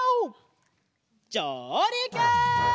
じょうりく！